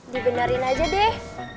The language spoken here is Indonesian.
dibenerin aja deh